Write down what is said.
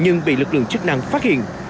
nhưng bị lực lượng chức năng phát hiện